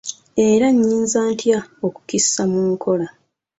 Era nnyinza ntya okukissa mu nkola?